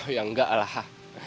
ya enggak alaha